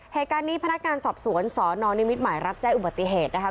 เหตุการณ์นี้พนักงานสอบสวนสนนิมิตรใหม่รับแจ้งอุบัติเหตุนะคะ